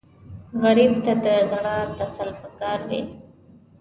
غریب ته د زړه تسل پکار وي